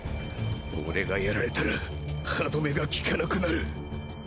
俺が殺られたら歯止めがきかなくなる！